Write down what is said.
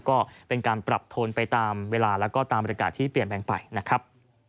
ก็เป็นการปรับโทนไปตามเวลาแล้วก็ตามบริการที่เปลี่ยนแปลงไปนะครับ